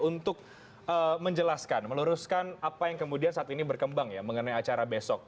untuk menjelaskan meluruskan apa yang kemudian saat ini berkembang ya mengenai acara besok